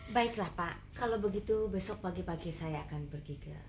baiklah pak kalau begitu besok pagi pagi saya akan pergi ke